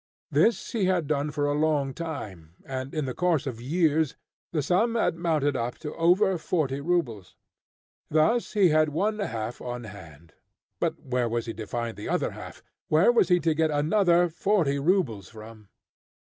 This he had done for a long time, and in the course of years, the sum had mounted up to over forty rubles. Thus he had one half on hand. But where was he to find the other half? Where was he to get another forty rubles from?